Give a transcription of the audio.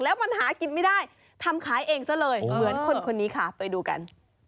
แล้วมันหากินไม่ได้ทำขายเองซะเลยเหมือนคนคนนี้ค่ะไปดูกัน